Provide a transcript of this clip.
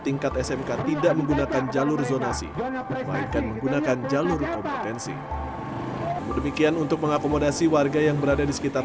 memainkan menggunakan jalur kompetensi demikian untuk mengakomodasi warga yang berada di sekitar